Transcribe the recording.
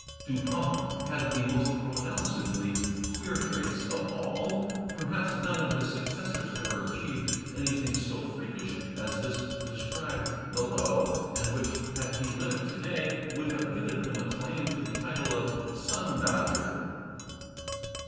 Dupin had the most pronouncedly queer traits of all. Perhaps none of his successors ever achieved anything so freakish as this described below; and which, had he lived to day, would have given him a claim to the title of "Sun Dodger."